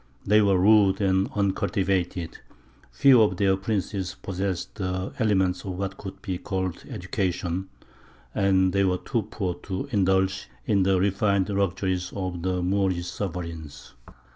They were rude and uncultivated; few of their princes possessed the elements of what could be called education, and they were too poor to indulge in the refined luxuries of the Moorish sovereigns.